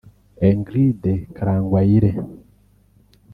Ingrid Karangwayire